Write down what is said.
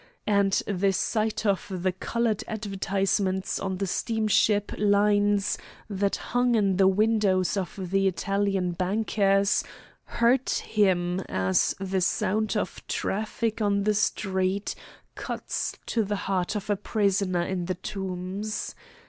And the sight of the colored advertisements of the steamship lines that hung in the windows of the Italian bankers hurt him as the sound of traffic on the street cuts to the heart of a prisoner in the Tombs.